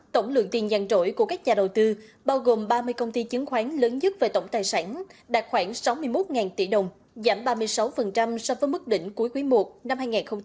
tổng lượng tiền giàn trỗi của các nhà đầu tư bao gồm ba mươi công ty chứng khoán lớn nhất về tổng tài sản đạt khoảng sáu mươi một tỷ đồng giảm ba mươi sáu so với mức đỉnh cuối quý i năm hai nghìn hai mươi ba